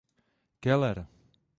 Keller.